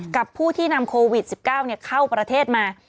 กับผู้ที่นำโควิด๑๙เข้าประเทศมา